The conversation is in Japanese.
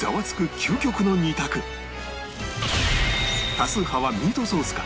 多数派はミートソースか？